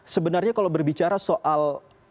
sebenarnya kalau berbicara soal